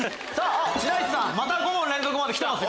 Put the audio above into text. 白石さん５問連続まできてます。